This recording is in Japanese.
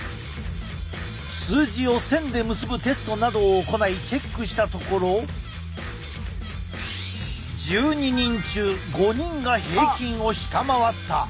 数字を線で結ぶテストなどを行いチェックしたところ１２人中５人が平均を下回った。